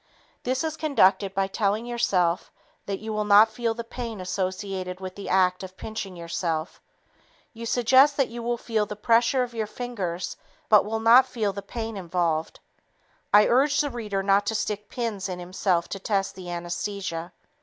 This is conducted by telling yourself that you will not feel the pain associated with the act of pinching yourself. You suggest that you will feel the pressure of your fingers but will not feel the pain involved. _I urge the reader not to stick pins in himself to test the anesthesia.